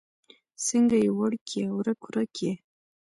څنګه يې وړکيه؛ ورک ورک يې؟